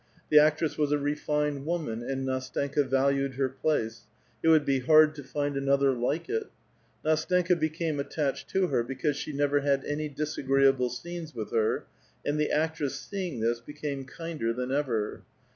The actress was a refined woman, and NAstenka valued her place; it would be hard to find another like it. Ndstenka became attached to her because she never had any disagreeable scenes with her, and the actress seeing this, became kinder than ever.